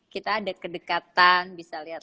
kita ada kedekatan bisa lihat